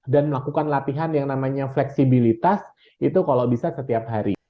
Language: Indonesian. dan melakukan latihan yang namanya fleksibilitas itu kalau bisa setiap hari